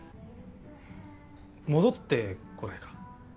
戻ってこないか。